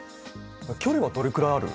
距離はどれくらいある？